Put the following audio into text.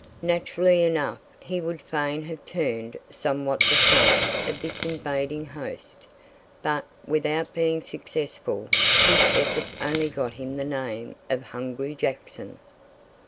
Naturally enough, he would fain have turned somewhat the flank of this invading host; but, without being successful, his efforts only got him the name of "Hungry Jackson."